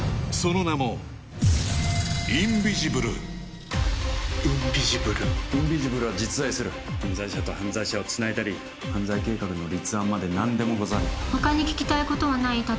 その名も・インビジブルインビジブルは実在する犯罪者と犯罪者をつないだり犯罪計画の立案まで何でもござれだ他に聞きたいことはない？